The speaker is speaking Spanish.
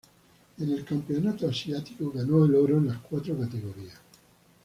En el Campeonato Asiático ganó el oro en las cuatro categorías.